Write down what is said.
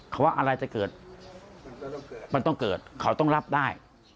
เขาว่าอะไรจะเกิดมันต้องเกิดเขาต้องรับได้